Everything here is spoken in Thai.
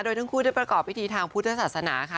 โดยทั้งคู่ได้ประกอบพิธีทางพุทธศาสนาค่ะ